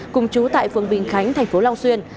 cùng chú tại phường bình khánh thành phố long xuyên